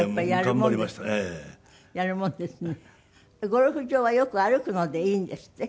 ゴルフ場はよく歩くのでいいんですって？